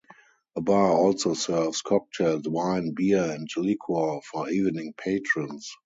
A bar also serves cocktails, wine, beer and liquor for evening patrons.